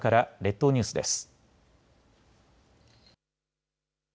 列島ニュースです。